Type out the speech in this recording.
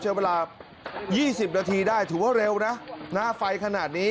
ใช้เวลา๒๐นาทีได้ถือว่าเร็วนะหน้าไฟขนาดนี้